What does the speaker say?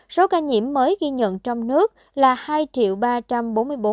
số ca nhiễm mới ghi nhận trong nước là hai ba trăm bốn mươi bốn tám trăm một mươi sáu ca nhiễm